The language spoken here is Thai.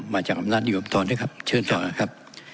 มาจากอำนาจนิยมถอนนะครับเชิญถอนนะครับ